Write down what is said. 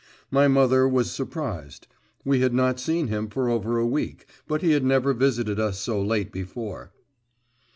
My mother was surprised: we had not seen him for over a week, but he had never visited us so late before.